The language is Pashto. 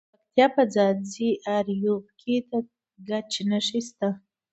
د پکتیا په ځاځي اریوب کې د ګچ نښې شته.